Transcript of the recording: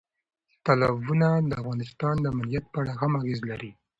تالابونه د افغانستان د امنیت په اړه هم اغېز لري.